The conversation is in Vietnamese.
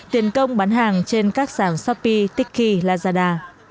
tiền công bán hàng trên các sản shopee tiki lazada